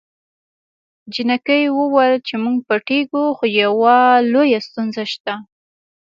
نجلۍ وویل چې موږ پټیږو خو یوه لویه ستونزه شته